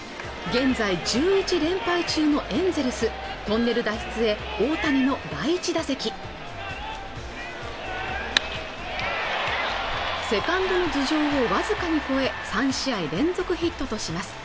現在１１連敗中のエンゼルストンネル脱出へ大谷の第１打席セカンドの頭上をわずかに超え３試合連続ヒットとします